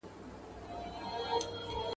• ډنگر په هډ ماغزه لري.